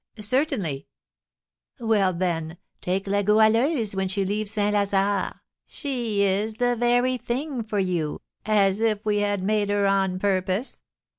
"Certainly." "Well, then, take La Goualeuse when she leaves St. Lazare; she is the very thing for you, as if we had made her on purpose.